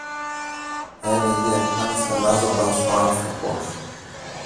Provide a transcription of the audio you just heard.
έλεγε αναστενάζοντας ο άνθρωπος.